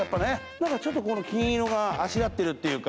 なんかちょっとこの金色があしらってるっていうか。